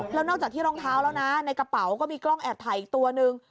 แล้วนอกจากที่รองเท้าแล้วนะในกระเป๋าก็มีกล้องแอบถ่ายอีกตัวนึง